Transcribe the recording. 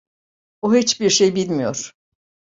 O hiçbir şey bilmiyor.